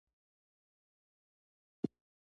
هغوی څو څو ځله د مرکې په دود د هغوی کور ته راغلل